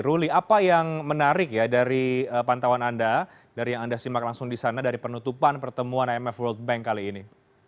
ruli apa yang menarik ya dari pantauan anda dari yang anda simak langsung di sana dari penutupan pertemuan imf world bank kali ini